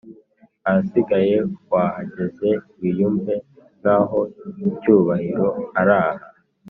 ahasigaye wahageze wiyumve nkaho cyubahiro araha